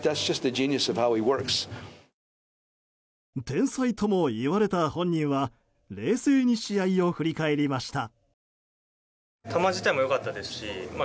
天才ともいわれた本人は冷静に試合を振り返りました。